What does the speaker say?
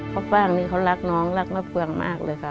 พ่อฟ้างนี้เขารักน้องรักน้องพวงมากเลยค่ะ